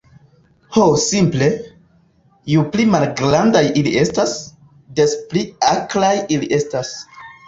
Ho simple, ju pli malgrandaj ili estas, des pli akraj ili estas.